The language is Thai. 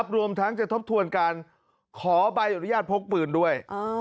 รวมทั้งจะทบทวนการขอใบอนุญาตพกปืนด้วย